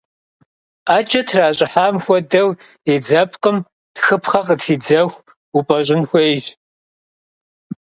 Ӏэкӏэ тращӏыхьам хуэдэу, и дзэпкъым тхыпхъэ къытридзэху упӏэщӏын хуейщ.